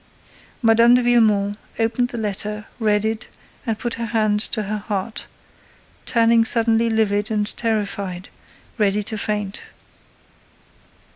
Mme. de Villemon opened the letter, read it, and put her hand to her heart, turning suddenly livid and terrified, ready to faint.